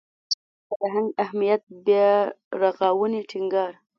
فرهنګ اهمیت بیارغاونې ټینګار